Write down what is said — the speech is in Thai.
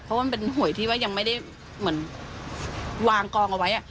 เพราะว่ามันเป็นหวยที่ว่ายังไม่ได้เหมือนวางกองเอาไว้